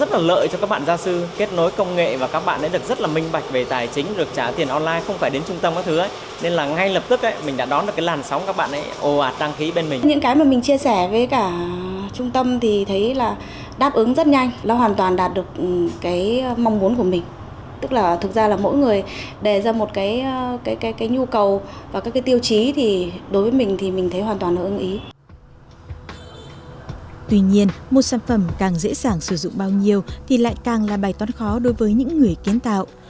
tuy nhiên một sản phẩm càng dễ dàng sử dụng bao nhiêu thì lại càng là bài toán khó đối với những người kiến tạo